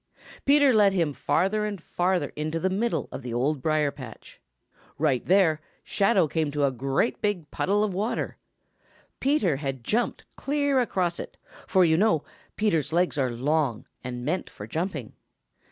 Peter led him farther and farther into the middle of the Old Briar patch. Right there Shadow came to a great big puddle of water. Peter had jumped clear across it, for you know Peter's legs are long and meant for jumping.